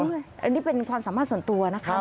อันนี้เป็นความสามารถส่วนตัวนะคะ